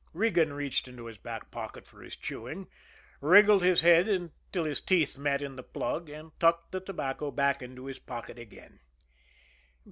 Regan reached into his back pocket for his chewing, wriggled his head till his teeth met in the plug, and tucked the tobacco back into his pocket again.